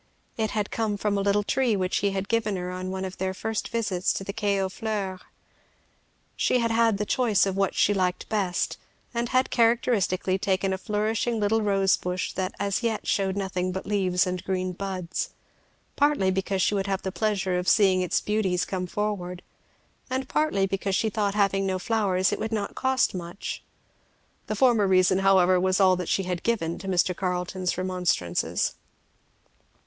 It had come from a little tree which he had given her on one of their first visits to the Quai aux Fleurs. She had had the choice of what she liked best, and had characteristically taken a flourishing little rose bush that as yet shewed nothing but leaves and green buds; partly because she would have the pleasure of seeing its beauties come forward, and partly because she thought having no flowers it would not cost much. The former reason however was all that she had given to Mr. Carleton's remonstrances.